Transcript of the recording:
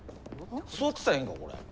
座ってたらええんかこれ？